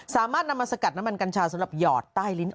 สามารถนำมาสกัดน้ำมันกัญชาสำหรับหยอดใต้ลิ้น